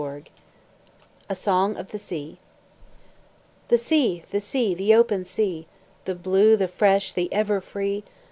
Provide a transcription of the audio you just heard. EMERSON A SONG OF THE SEA The Sea! the Sea! the open Sea! The blue, the fresh, the ever free!